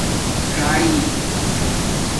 ژائئ